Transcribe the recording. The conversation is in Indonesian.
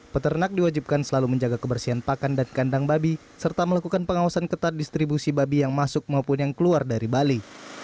peternak diwajibkan selalu menjaga kebersihan pakan dan kandang babi serta melakukan pengawasan ketat distribusi babi yang masuk maupun yang keluar dari bali